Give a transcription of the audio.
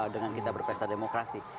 dengan kita berpesta demokrasi